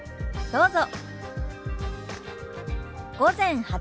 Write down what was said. どうぞ。